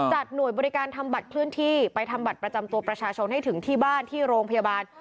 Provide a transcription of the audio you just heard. หน่วยบริการทำบัตรเคลื่อนที่ไปทำบัตรประจำตัวประชาชนให้ถึงที่บ้านที่โรงพยาบาล